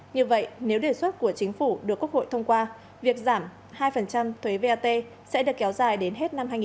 như vậy nếu đề xuất của chính phủ được quốc hội thông qua việc giảm hai thuế vat sẽ được kéo dài đến hết năm hai nghìn hai mươi